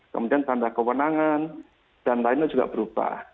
kemudian tanda kewenangan dan lainnya juga berubah